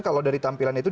kalau dari tampilan itu